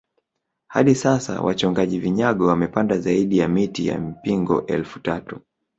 Hadi sasa wachongaji vinyago wamepanda zaidi ya miti ya mpingo elfu tatu